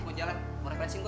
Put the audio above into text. gue jalan mau refreshing gue